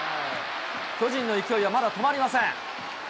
巨人の勢いはまだ止まりません。